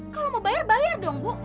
kalau mau bayar bayar dong bu